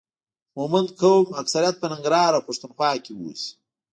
مومند قوم اکثریت په ننګرهار او پښتون خوا کې اوسي